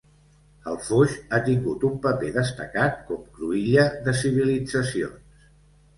El Foix ha tingut un paper destacat com cruïlla de civilitzacions.